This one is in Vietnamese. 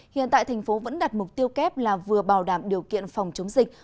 hiện tại thành phố vẫn đặt mục tiêu kép là vừa bảo đảm điều kiện phòng chống dịch